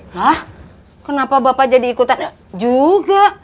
nah kenapa bapak jadi ikutan juga